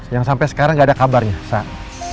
yang sampe sekarang ga ada kabarnya saat